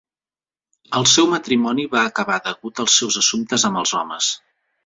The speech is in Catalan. El seu matrimoni va acabar degut als seus assumptes amb els homes.